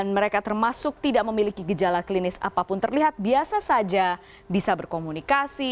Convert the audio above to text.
mereka termasuk tidak memiliki gejala klinis apapun terlihat biasa saja bisa berkomunikasi